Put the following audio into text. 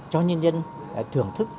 cho nhân dân thưởng thức